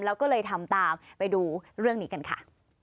แล้วก็เลยทำตามไปดูเรื่องนี้กันค่ะ